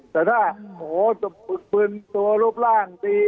แต่ถ้าโหตัวรูปร่างดี